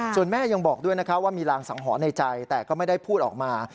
ส่วนแม่ยังบอกด้วยนะครับว่ามีรางสังหรณ์ในใจแต่ก็ไม่ได้พูดออกมา